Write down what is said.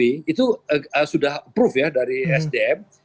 itu sudah approve ya dari sdm